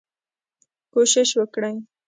کوشش وکړئ